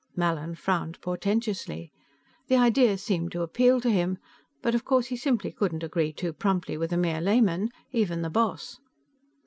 Mallin frowned portentously. The idea seemed to appeal to him, but of course he simply couldn't agree too promptly with a mere layman, even the boss.